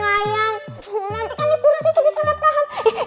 nanti kan ibu rosi juga bisa ngepaham